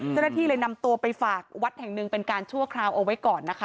เจ้าหน้าที่เลยนำตัวไปฝากวัดแห่งหนึ่งเป็นการชั่วคราวเอาไว้ก่อนนะคะ